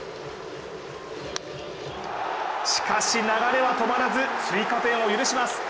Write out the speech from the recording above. しかし流れは止まらず、追加点を許します。